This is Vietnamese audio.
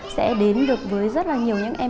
sẽ đến được một nguyên liệu thiên nhiên việt nam